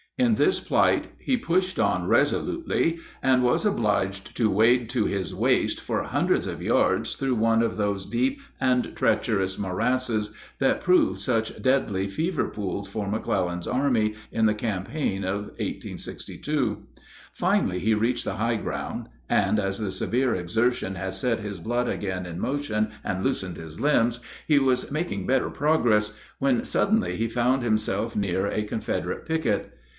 In this plight he pushed on resolutely, and was obliged to wade to his waist for hundreds of yards through one of those deep and treacherous morasses that proved such deadly fever pools for McClellan's army in the campaign of 1862. Finally he reached the high ground, and as the severe exertion had set his blood again in motion and loosened his limbs, he was making better progress, when suddenly he found himself near a Confederate picket.